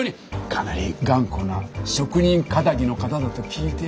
かなり頑固な職人気質の方だと聞いている。